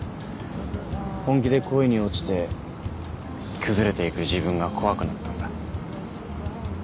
本気で恋に落ちて崩れていく自分が怖くなったんだ。